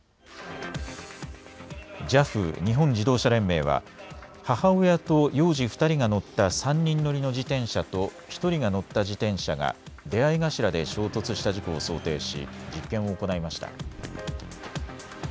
ＪＡＦ・日本自動車連盟は母親と幼児２人が乗った３人乗りの自転車と１人が乗った自転車が出会い頭で衝突した事故を想定し実験を行いました。